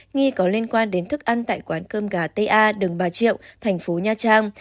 nghi có liên quan đến thức ăn tại quán cơm gà ta đường bà triệu thành phố nha trang